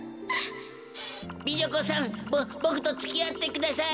美女子さんボボクとつきあってください！